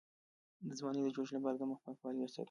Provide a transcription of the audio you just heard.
د ځوانۍ د جوش لپاره د مخ پاکوالی وساتئ